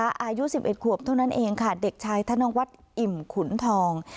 อายุ๑๑ขวบเท่านั้นเองค่ะเด็กชายธนวัฒน์อิ่มขุนทอง